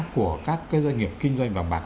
của các cái doanh nghiệp kinh doanh vàng bạc